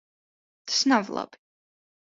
Tas nav labi.